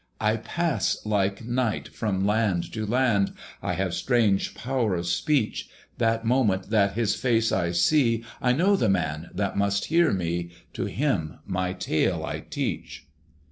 I pass, like night, from land to land; I have strange power of speech; That moment that his face I see, I know the man that must hear me: To him my tale I teach.